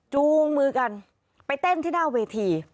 จูงมือกันไปเต้นที่หน้าเวที